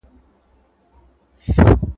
موږ کله ډېر اتڼ وړاندي کړ؟